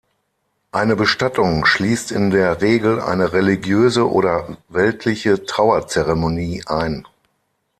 Eine Bestattung schließt in der Regel eine religiöse oder weltliche Trauerzeremonie ein.